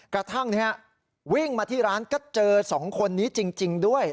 กระทั่งวิ่งมาที่ร้านก็เจอ๒คนนี้จริงด้วย